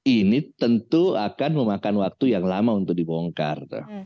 ini tentu akan memakan waktu yang lama untuk dibongkar